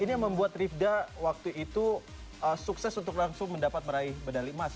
ini yang membuat rifda waktu itu sukses untuk langsung mendapat medali emas ya